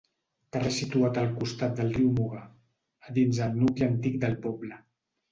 Carrer situat al costat del riu Muga, a dins el nucli antic del poble.